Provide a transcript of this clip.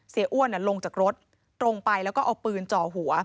อ้วนลงจากรถตรงไปแล้วก็เอาปืนจ่อหัว